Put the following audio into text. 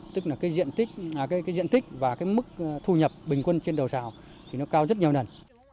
tức là cái diện tích và cái mức thu nhập bình quân trên đầu xào thì nó cao rất nhiều lần